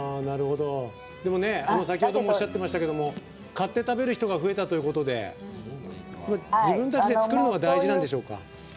でも、先ほどもおっしゃってましたけど買って食べる人が増えたということで自分たちで作るのが大事なんでしょうか？